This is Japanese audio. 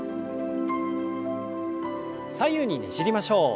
左右にねじりましょう。